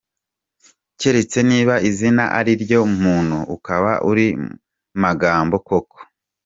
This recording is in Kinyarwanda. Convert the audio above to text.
Keretse niba izina ari ryo muntu ukaba uri Magambo koko.